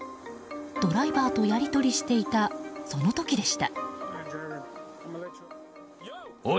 ドライバーとやり取りしていたその時でした。